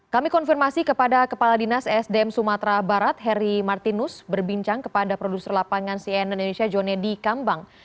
kami konfirmasi kepada kepala dinas sdm sumatera barat heri martinus berbincang kepada produser lapangan cnn indonesia jonedi kambang